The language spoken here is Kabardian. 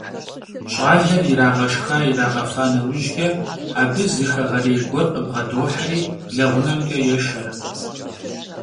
Ş'aler yirağeşşxa - yirağefa neujç'e, abı zı xeğerêy guer khıbğedoheri leğunemç'e yêşşe.